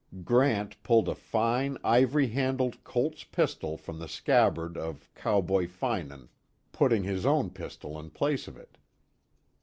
Grant pulled a fine, ivory handled Colt's pistol from the scabbard of Cowboy Finan, putting his own pistol in place of it.